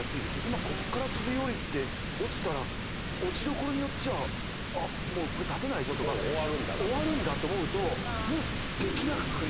今こっから飛び降りて落ちたら落ち所によっちゃこれ立てないぞとか終わるんだって思うともう。